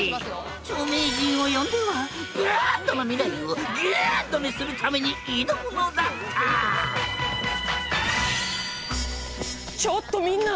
著名人を呼んではＢａｄな未来をＧｏｏｄにするために挑むのだったちょっとみんな！